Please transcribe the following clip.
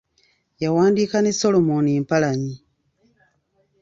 Yawandiika ne Solomom Mpalanyi.